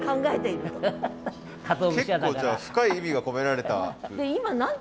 結構じゃあ深い意味が込められた。